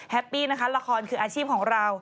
ปี้นะคะละครคืออาชีพของเรา